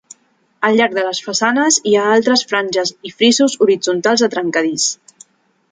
Al llarg de les façanes hi ha altres franges i frisos horitzontals de trencadís.